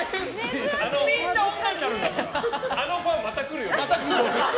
あのファンまた来るよ。